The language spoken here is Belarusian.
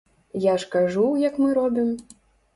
Я ж кажу, як мы робім?